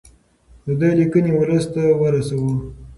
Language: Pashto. د ده لیکنې ولس ته ورسوو.